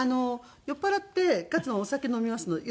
酔っ払って勝野はお酒を飲みますので。